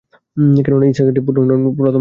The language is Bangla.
কেননা, ইসহাক একক পুত্রও নন, প্রথম পুত্রও নন।